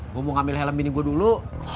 gue mau ngambil helm ini gue dulu